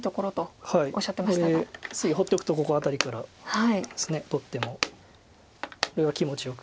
これ次放っておくとここアタリから取ってもこれは気持ちよく。